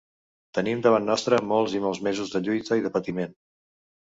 Tenim davant nostre molts i molts mesos de lluita i de patiment.